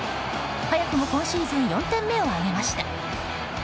早くも今シーズン４点目を挙げました。